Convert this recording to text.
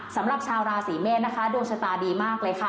สำหรับชาวราศีเมษนะคะดวงชะตาดีมากเลยค่ะ